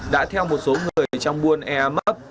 đã theo một số người trong buôn earpop